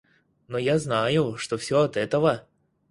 Но я знаю, что всё от этого...